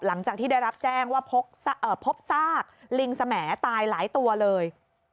หลังจากที่ได้รับแจ้งว่าพบซากลิงสมตายหลายตัวเลย